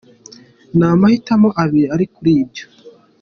Nta mahitamo abiri ari kuri ibyo.